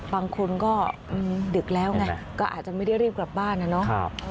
บางคนก็ดึกแล้วไงก็อาจจะไม่ได้รีบกลับบ้านนะเนาะ